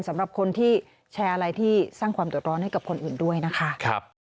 สำหรับคนที่แชร์อะไรที่สร้างความเดือดร้อนให้กับคนอื่นด้วยนะคะ